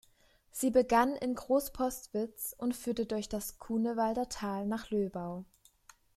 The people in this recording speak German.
Sie begann in Großpostwitz und führte durch das Cunewalder Tal nach Löbau.